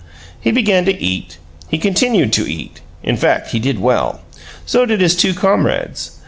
He began to eat; he continued to eat; in fact, he did well. So did his two comrades.